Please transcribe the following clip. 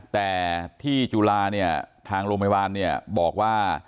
แต่ที่จุฬานี่ทางโรงพยาบาลบอกว่า